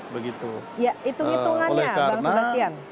ya itung itungannya bang sebastian